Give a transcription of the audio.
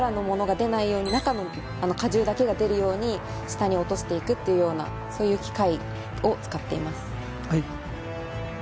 中の果汁だけが出るように下に落としていくっていうようなそういう機械を使っています